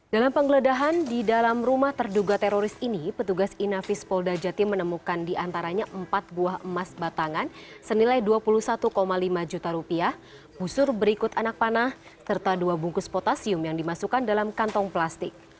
dalam penggeledahan di dalam rumah terduga teroris ini petugas inafis polda jatim menemukan diantaranya empat buah emas batangan senilai dua puluh satu lima juta rupiah busur berikut anak panah serta dua bungkus potasium yang dimasukkan dalam kantong plastik